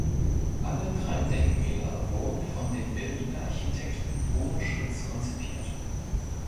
Alle drei Denkmäler wurden von dem Berliner Architekten Bruno Schmitz konzipiert.